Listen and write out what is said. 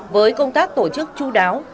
với công tác tổ chức chú đáo